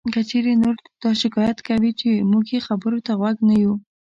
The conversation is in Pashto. که چېرې نور دا شکایت کوي چې مونږ یې خبرو ته غوږ نه یو